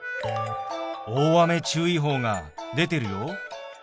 大雨注意報が出てるよ。